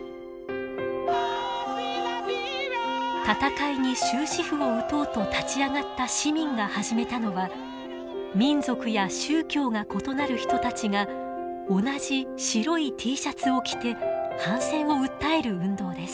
戦いに終止符を打とうと立ち上がった市民が始めたのは民族や宗教が異なる人たちが同じ白いＴシャツを着て反戦を訴える運動です。